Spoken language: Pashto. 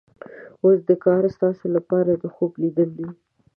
اوس دا کار ستاسو لپاره د خوب لیدل دي.